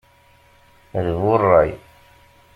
D bu ṛṛay!